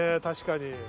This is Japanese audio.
確かに。